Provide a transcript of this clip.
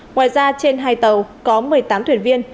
ngoài ra trên hai tàu có một mươi tám thuyền viên